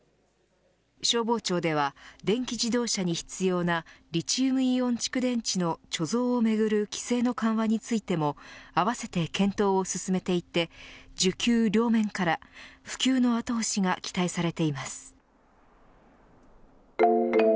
消防庁では電気自動車に必要なリチウムイオン蓄電池の貯蔵をめぐる規制の緩和についても合わせて検討を進めていて需給両面から普及の後押しが期待されています。